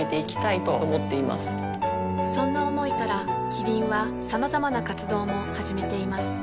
そんな思いからキリンはさまざまな活動も始めています